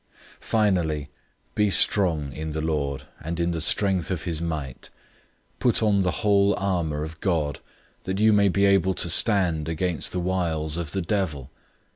006:010 Finally, be strong in the Lord, and in the strength of his might. 006:011 Put on the whole armor of God, that you may be able to stand against the wiles of the devil.